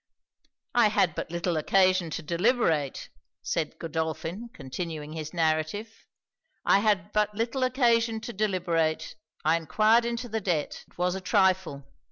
'I had but little occasion to deliberate,' said Godolphin, continuing his narrative 'I had but little occasion to deliberate. I enquired into the debt. It was a trifle.